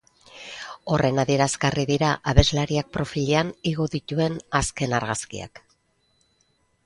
Horren adierazgarri dira abeslariakprofilean igo dituen azken argazkiak.